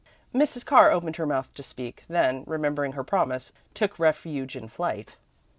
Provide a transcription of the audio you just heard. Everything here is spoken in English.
Mrs. Carr opened her mouth to speak, then, remembering her promise, took refuge in flight.